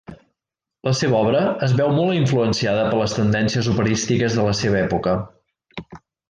La seva obra es veu molt influenciada per les tendències operístiques de la seva època.